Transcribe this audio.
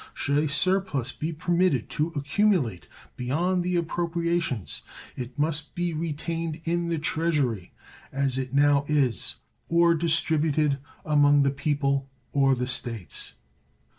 Should a surplus be permitted to accumulate beyond the appropriations, it must be retained in the Treasury, as it now is, or distributed among the people or the States.